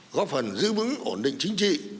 góp phần giữ vững ổn định chính trị